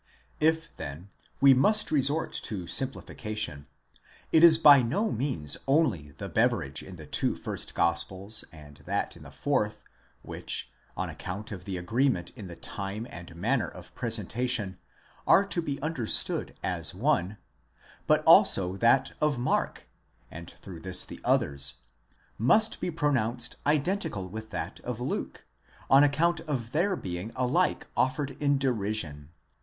If then we must resort to simplification, it is by no means only the beverage in the two first gospels, and that in the fourth, which, on account of the agreement in the time and manner of presentation, are to be understood as one; but also that of Mark (and through this the others) must be pronounced identical with that of Luke, on account of their being alike offered in derision.